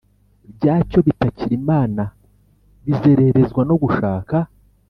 byacyo bitakira Imana Bizererezwa no gushaka